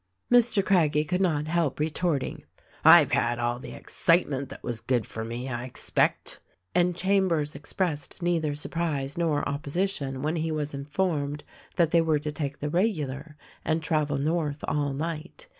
210 THE RECORDING ANGEL Mr. Craggie could not help retorting: "I've had all the excitement that was good for me, I expect;" and Cham bers expressed neither surprise nor opposition when he was informed that they were to take the regular and travel north all night.